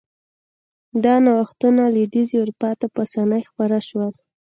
دا نوښتونه لوېدیځې اروپا ته په اسانۍ خپاره شول.